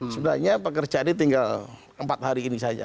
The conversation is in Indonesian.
sebenarnya pekerjaan ini tinggal empat hari ini saja